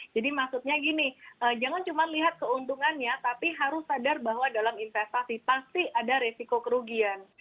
jadi maksudnya gini jangan cuma lihat keuntungannya tapi harus sadar bahwa dalam investasi pasti ada risiko kerugian